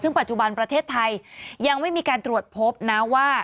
ซึ่งปัจจุบันประเทศไทยยังไม่มีการตรวจพบนะว่า